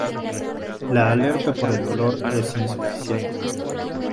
La alerta por el olor es insuficiente.